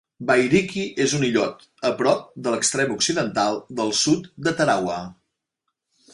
Bairiki és un illot a prop de l'extrem occidental del sud de Tarawa.